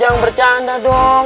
jangan bercanda dong